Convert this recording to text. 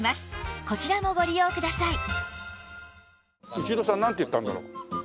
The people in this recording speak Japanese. イチローさんなんて言ったんだろう？